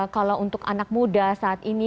kalau untuk anak muda saat ini